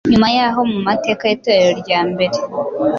Nyuma y’aho mu mateka y’Itorero rya mbere,